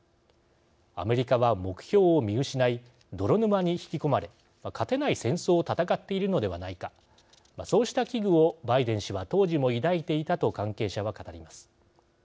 アメリカは目標を見失い泥沼に引き込まれ勝てない戦争を戦っているのではないかそうした危惧をバイデン氏は当時も抱いていたと関係者は語ります。